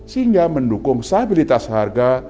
sehingga mendukung stabilitas harga